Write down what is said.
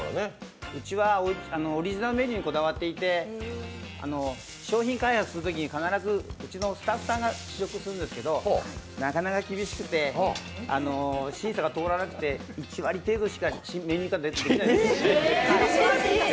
うちはオリジナルメニューにこだわっていて商品開発するときに必ずうちのスタッフさんが試食するんですけどなかなか厳しくて審査が通らなくて１割程度しか新メニューが出てないんです。